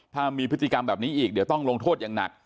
ถ้ามีพฤติกรรมแบบนี้อีกเดี๋ยวต้องลงโทษอย่างหนัก